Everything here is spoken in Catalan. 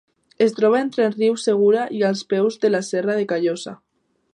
Es troba entre el riu Segura i als peus de la Serra de Callosa.